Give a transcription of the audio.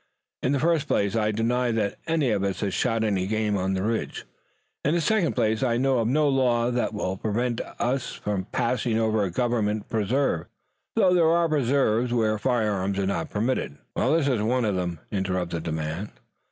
In the first place, I deny that any of us has shot any game on the Ridge. In the second place, I know of no law that will prevent our passing over a government preserve, though there are preserves where firearms are not permitted." "This is one of them," interrupted the man.